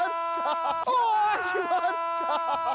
決まった！